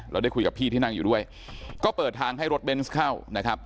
ได้คุยกับพี่ที่นั่งอยู่ด้วยก็เปิดทางให้รถเบนส์เข้านะครับ